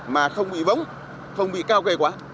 mà không bị vóng không bị cao cây quá